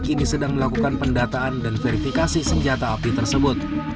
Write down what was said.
kini sedang melakukan pendataan dan verifikasi senjata api tersebut